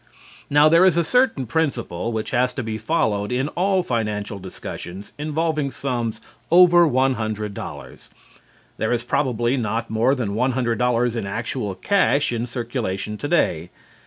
Now there is a certain principle which has to be followed in all financial discussions involving sums over one hundred dollars. There is probably not more than one hundred dollars in actual cash in circulation today.